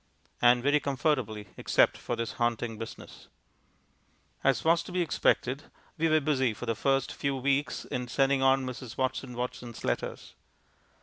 And very comfortably, except for this haunting business. As was to be expected, we were busy for the first few weeks in sending on Mrs. Watson Watson's letters.